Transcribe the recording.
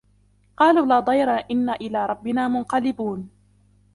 قالوا لا ضير إنا إلى ربنا منقلبون